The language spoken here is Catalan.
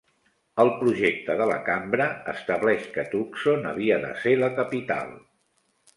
El projecte de la Cambra estableix que Tucson havia de ser la capital.